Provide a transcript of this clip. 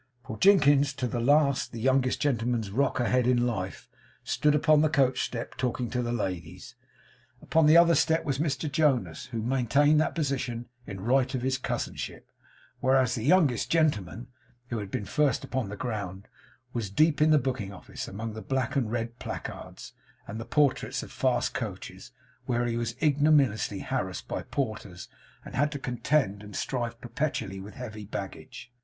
For Jinkins, to the last the youngest gentleman's rock a head in life, stood upon the coachstep talking to the ladies. Upon the other step was Mr Jonas, who maintained that position in right of his cousinship; whereas the youngest gentleman, who had been first upon the ground, was deep in the booking office among the black and red placards, and the portraits of fast coaches, where he was ignominiously harassed by porters, and had to contend and strive perpetually with heavy baggage.